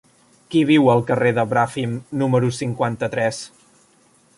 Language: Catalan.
Qui viu al carrer de Bràfim número cinquanta-tres?